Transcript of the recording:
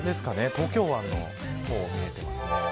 東京湾の方が見えていますね。